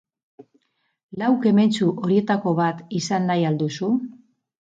Lau kementsu horietako bat izan nahi al duzu?